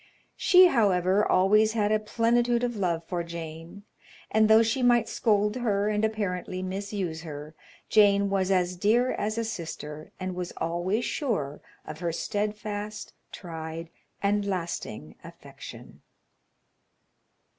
She, however, always had a plenitude of love for Jane, and though she might scold her and apparently misuse her, Jane was as dear as a sister, and was always sure of her steadfast, tried and lasting affection.